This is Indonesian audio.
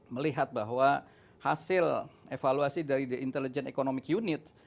melihat bahwa hasil evaluasi dari the intelligence economic unit